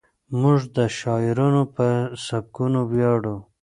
موږ د شاعرانو په سبکونو ویاړو.